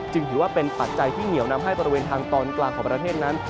ถือว่าเป็นปัจจัยที่เหนียวนำให้บริเวณทางตอนกลางของประเทศนั้น